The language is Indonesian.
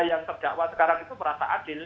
yang terdakwa sekarang itu merasa adil